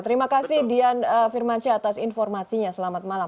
terima kasih dian firmansyah atas informasinya selamat malam